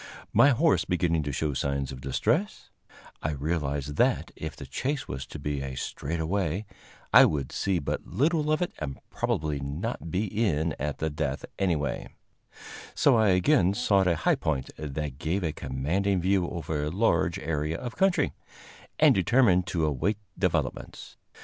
My horse beginning to show signs of distress, I realized that, if the chase was to be a straightaway, I would see but little of it and probably not be in at the death anyway; so I again sought a high point that gave a commanding view over a large area of country, and determined to await developments.